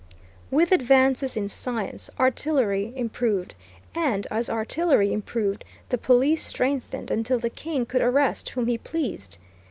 With advances in science, artillery improved, and, as artillery improved, the police strengthened until the king could arrest whom he pleased.